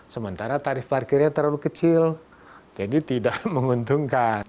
sementara tarif parkirnya terlalu kecil jadi tidak menguntungkan